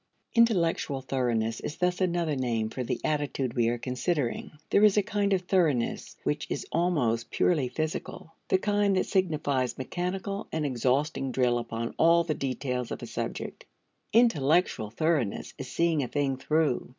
Intellectual thoroughness is thus another name for the attitude we are considering. There is a kind of thoroughness which is almost purely physical: the kind that signifies mechanical and exhausting drill upon all the details of a subject. Intellectual thoroughness is seeing a thing through.